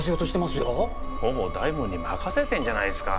ほぼ大門に任せてんじゃないすか。